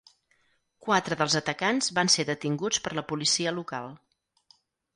Quatre dels atacants van ser detinguts per la policia local.